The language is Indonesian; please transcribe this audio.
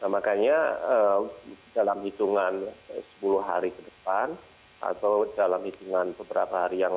makanya dalam hitungan sepuluh hari ke depan atau dalam hitungan beberapa hari yang lalu